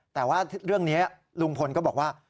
แต่ว่าเรื่องนี้ลุงพลก็บอกว่า